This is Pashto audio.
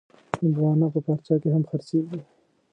هندوانه په پارچه کې هم خرڅېږي.